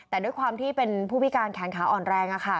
แต่ด้วยความที่เป็นผู้พิการแขนขาอ่อนแรง